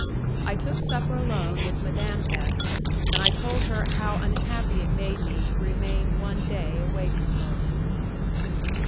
I took supper alone with Madame F , and I told her how unhappy it made me to remain one day away from her.